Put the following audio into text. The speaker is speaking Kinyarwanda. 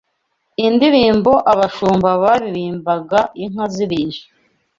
indirimbo abashumba baririmbaga inka zirisha